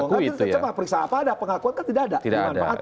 coba periksa apa ada pengakuan kan tidak ada